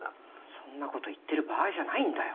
そんなこと言ってる場合じゃないんだよ